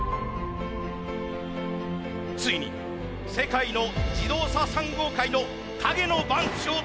ついに世界の自動車産業界の陰の番長登場。